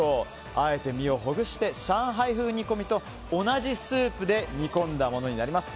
あえて身をほぐして上海風煮込みと同じスープで煮込んだものになります。